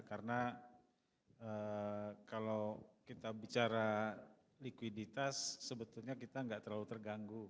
karena kalau kita bicara likuiditas sebetulnya kita enggak terlalu terganggu